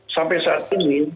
sampai saat ini